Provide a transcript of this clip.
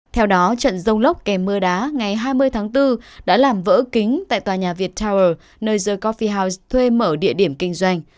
theo đó trận rông lốc kèm mưa đá ngày hai mươi tháng bốn đã làm vỡ kính tại tòa nhà viettel nơi the cophie house thuê mở địa điểm kinh doanh